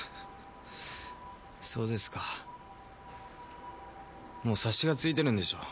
そうですかもう察しがついてるんでしょう？